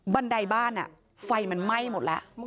บันไดบ้านไฟมันไหม้หมดแล้ว